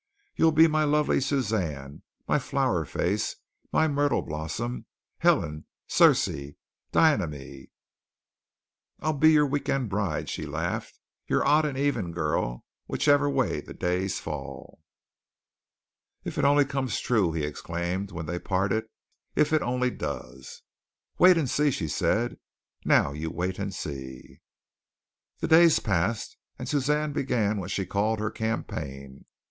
You'll be my lovely Suzanne, my Flower Face, my Myrtle Blossom. Helen, Circe, Dianeme." "I'll be your week end bride," she laughed, "your odd or even girl, whichever way the days fall." "If it only comes true," he exclaimed when they parted. "If it only does." "Wait and see," she said. "Now you wait and see." The days passed and Suzanne began what she called her campaign.